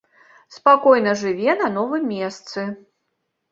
Спакойна жыве на новым месцы.